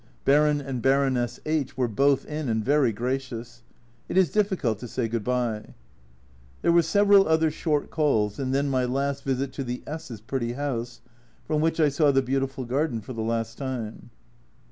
Baron and Baroness H were both in, and very gracious. It is difficult to say "good bye." There were several other short calls, and then my last visit to the S s 1 pretty house, from which I saw the beautiful garden for the last time.